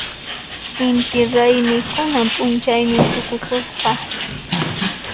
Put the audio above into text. Inti raymi kunan p'unchaymi tukukusqa.